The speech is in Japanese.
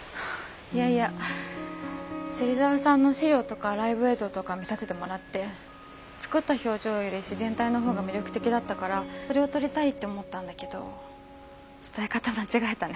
いやいや芹澤さんの資料とかライブ映像とか見させてもらって作った表情より自然体の方が魅力的だったからそれを撮りたいって思ったんだけど伝え方間違えたね。